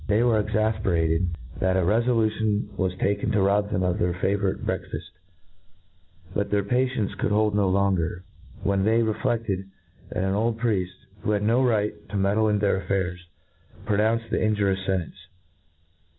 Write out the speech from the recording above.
They were exafperated, that a refolution was taken to rob them of their fa vourite breakfaft ; but their patience could hold no longer, when they refleded, that an old prieft, who had no right to meddle in their affairs, pro* nounced the injurious fentehce.